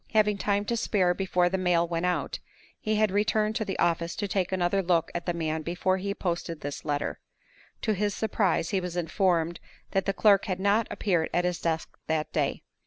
Having time to spare before the mail went out, he had returned to the office to take another look at the man before he posted his letter. To his surprise, he was informed that the clerk had not appeared at his desk that day.